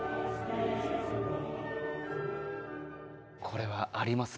これはあります